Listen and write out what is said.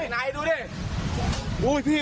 นายดูดิ